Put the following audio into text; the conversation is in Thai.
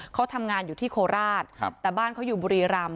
เขาทำงานอยู่ที่โคราชแต่บ้านเขาอยู่บุรีรำ